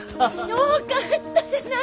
よかったじゃない！